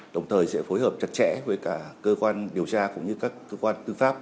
đồng thời sẽ phối hợp chặt chẽ với cả cơ quan điều tra cũng như các cơ quan tư pháp